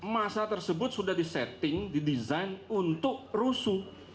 masa tersebut sudah disetting didesain untuk rusuh